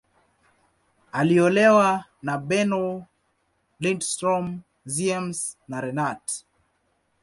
Aliolewa na Bernow, Lindström, Ziems, na Renat.